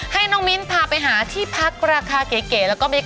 ให้น้องมินท์พาไปหาที่พักราคาเก๋